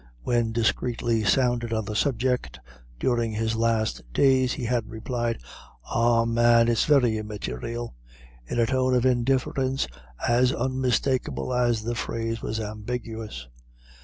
When discreetly sounded on the subject during his last days, he had replied: "Ah! man, it's very immaterial," in a tone of indifference as unmistakable as the phrase was ambiguous.